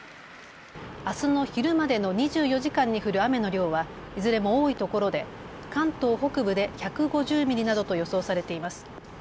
あすの昼までの２４時間に降る雨の量はいずれも多いところで関東北部で１５０ミリなどと予想されています。